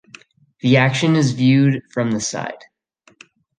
The action is viewed from the side.